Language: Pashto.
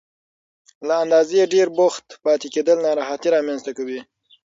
له اندازې ډېر بوخت پاتې کېدل ناراحتي رامنځته کوي.